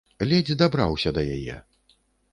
Ледзь дабраўся да яе.